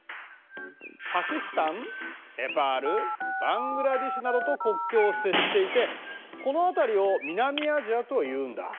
パキスタンネパールバングラデシュなどと国境を接していてこの辺りを南アジアというんだ。